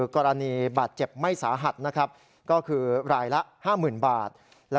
๓กรณีบาดเจ็บไม่สาหัสรายละ๕๐๐๐๐บาท